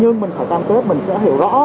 nhưng mình phải cam kết mình sẽ hiểu rõ